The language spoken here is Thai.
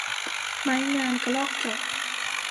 ไม้งามกระรอกเจาะ